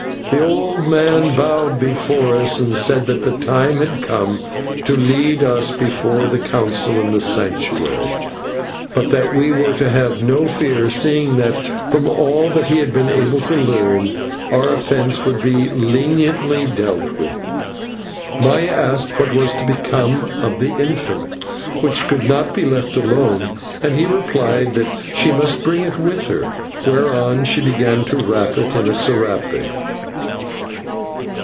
The old man bowed before us and said that the time had come to lead us before the Council in the Sanctuary, but that we were to have no fear, seeing that, from all that he had been able to learn, our offence would be leniently dealt with. Maya asked what was to become of the infant, which could not be left alone, and he replied that she must bring it with her, whereon she began to wrap it in a /serape